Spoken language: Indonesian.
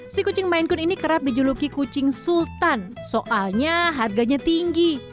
si kucing mainkun ini kerap dijuluki kucing sultan soalnya harganya tinggi